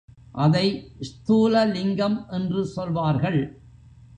அதை ஸ்தூல லிங்கம் என்று சொல்வார்கள்.